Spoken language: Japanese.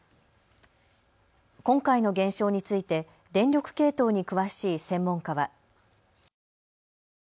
今回の現象について電力系統に詳しい専門家は。